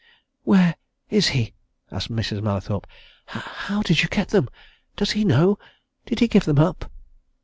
"Where is he?" asked Mrs. Mallathorpe. "How how did you get them? Does he know did he give them up?"